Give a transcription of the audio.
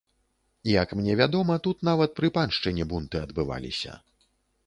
Як мне вядома, тут нават пры паншчыне бунты адбываліся.